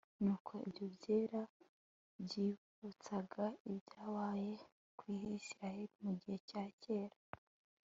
nuko ibyo byera byibutsaga ibyabaye ku bisirayeli mu gihe cya kera